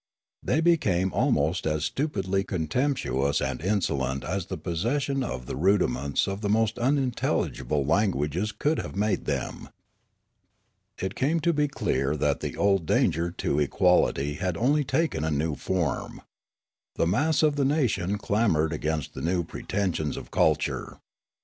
They became almost as stupidly contemptuous and insolent as the possession of the rudiments of the most unintelligible languages could have made them. " It came to be clear that the old danger to equality had only taken a new form. The mass of the nation clamoured against the new pretensions of culture.